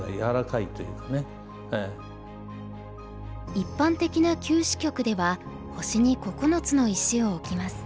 一般的な９子局では星に９つの石を置きます。